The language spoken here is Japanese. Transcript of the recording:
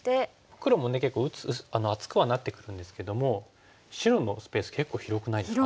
黒もね結構厚くはなってくるんですけども白のスペース結構広くないですか？